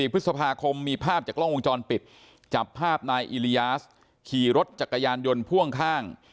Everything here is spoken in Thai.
พฤษภาคมมีภาพจากกล้องวงจรปิดจับภาพนายอิริยาสขี่รถจักรยานยนต์พ่วงข้าง